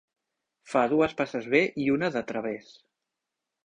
Fa dues passes bé i una de través.